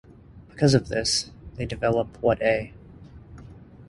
Because of this, they develop what A.